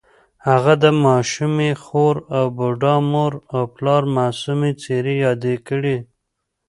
هغه د ماشومې خور او بوډا مور او پلار معصومې څېرې یادې کړې